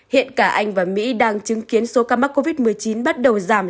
hiện cả anh và mỹ đang chứng kiến số ca mắc covid một mươi chín bắt đầu giảm